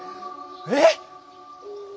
えっ！？